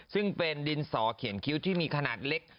ซึ่งเป็นดินสอเขียนคิ้วที่มีขนาดเล็ก